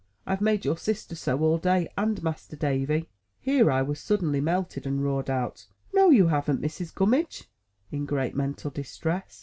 I've made your sister so all day, and Master Davy." Here I was suddenly melted, and roared out, "No, you haven't, Mrs. Gummidge;" in great mental distress.